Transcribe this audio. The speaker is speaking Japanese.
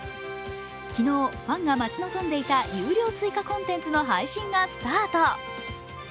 昨日、ファンが待ち望んでいた有料追加コンテンツの配信がスタート。